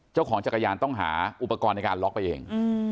เจ้าของจักรยานต้องหาอุปกรณ์ในการล็อกไปเอง